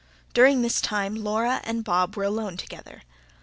During this time Laura and Bob were alone together.